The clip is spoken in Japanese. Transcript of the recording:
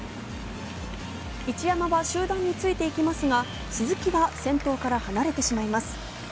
一山は集団についていきますが、鈴木は先頭から離れてしまいます。